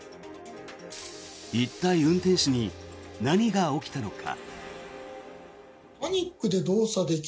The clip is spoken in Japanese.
一体、運転手に何が起きたのか。